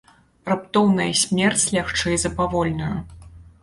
Раптоўная смерць лягчэй за павольную.